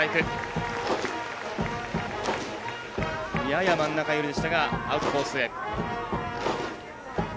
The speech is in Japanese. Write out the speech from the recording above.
やや真ん中寄りでしたがアウトコースへ。